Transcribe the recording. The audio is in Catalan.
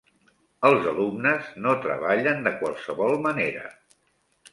Els alumnes no treballen de qualsevol manera